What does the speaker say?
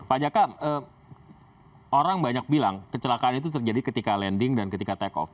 pak jaka orang banyak bilang kecelakaan itu terjadi ketika landing dan ketika take off